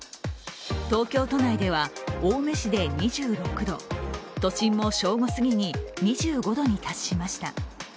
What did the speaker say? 東京都内では青梅市で２６度、都心も正午すぎに２５度に達しました。